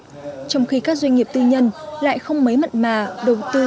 trong khi các doanh nghiệp tư nhân lại không mấy mặn mà đầu tư